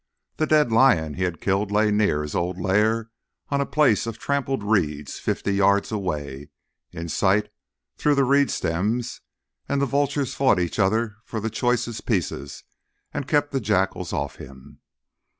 The dead lion he had killed lay near his old lair on a place of trampled reeds fifty yards away, in sight through the reed stems, and the vultures fought each other for the choicest pieces and kept the jackals off him.